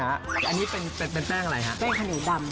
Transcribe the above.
อันนี้เป็นแป้งอะไรฮะ